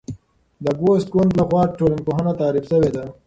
د اګوست کُنت لخوا ټولنپوهنه تعریف شوې ده.